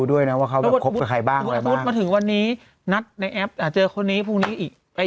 ว่าเขาคบกับใครบ้างบุ๊ดมาถึงวันนี้นัดในแอปเจอคนนี้พรุ่งนี้อีกคนหนึ่ง